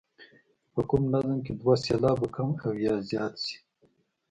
که په کوم نظم کې دوه سېلابه کم او یا زیات شي.